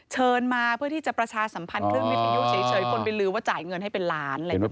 เชิญมาเพื่อที่จะประชาสัมพันธ์เครื่องวิทยุเฉยคนไปลือว่าจ่ายเงินให้เป็นล้านอะไรอย่างนี้